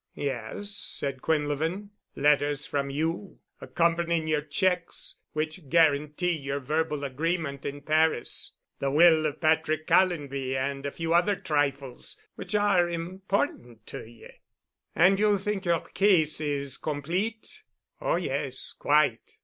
"Yes," said Quinlevin. "Letters from you—accompanying yer checks—which guarantee yer verbal agreement in Paris. The will of Patrick Callonby and a few other trifles which are important to ye." "And you think your case is complete?" "Oh, yes, quite.